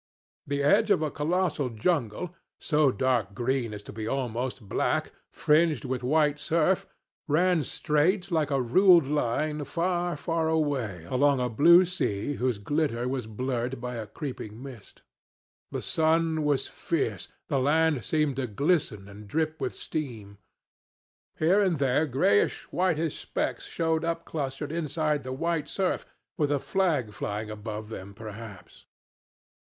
The edge of a colossal jungle, so dark green as to be almost black, fringed with white surf, ran straight, like a ruled line, far, far away along a blue sea whose glitter was blurred by a creeping mist. The sun was fierce, the land seemed to glisten and drip with steam. Here and there grayish whitish specks showed up, clustered inside the white surf, with a flag flying above them perhaps.